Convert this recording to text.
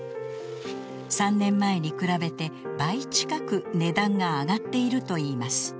３年前に比べて倍近く値段が上がっているといいます。